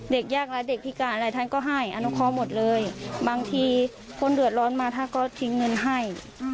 เด็กยากและเด็กพิการอะไรท่านก็ให้อนุเคาะหมดเลยบางทีคนเดือดร้อนมาท่านก็ทิ้งเงินให้